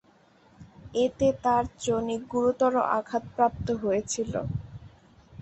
এতে তার যোনি গুরুতর আঘাতপ্রাপ্ত হয়েছিল।